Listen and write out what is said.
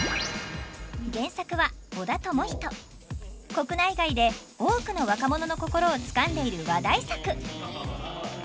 国内外で多くの若者の心をつかんでいる話題作！